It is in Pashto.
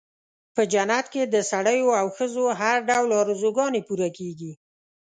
په جنت کې د سړیو او ښځو هر ډول آرزوګانې پوره کېږي.